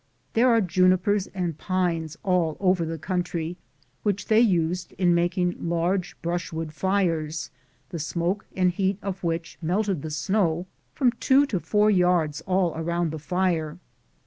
There are junipers and pines all over the country, which they used in picking large brushwood fires, the smoke and heat of which melted the snow from 2 to 4 yards all around the fire.